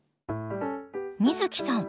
美月さん